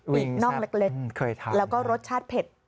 วิงแซ่บคือเคยทานนอกเล็กแล้วก็รสชาติเผ็ด